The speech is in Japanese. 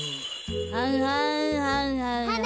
はんはんはんはんはんはん。